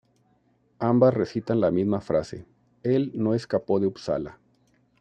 Ambas recitan la misma frase "Él no escapó de Upsala".